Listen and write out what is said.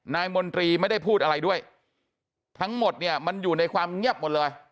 มนตรีไม่ได้พูดอะไรด้วยทั้งหมดเนี่ยมันอยู่ในความเงียบหมดเลย